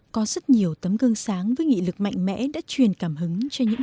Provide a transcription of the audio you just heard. có rất nhiều tấm gương sáng với nghị lực mạnh mẽ đã truyền cảm hứng cho những hoàn cảnh tương tự